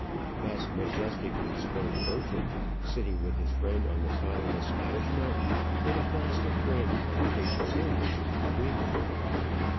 Thus majestically spoke Bertram, sitting with his friend on the side of a Scottish mountain, with a flask of brandy and a case of sandwiches between them.